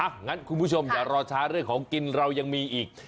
งั้นคุณผู้ชมอย่ารอช้าเรื่องของกินเรายังมีอีก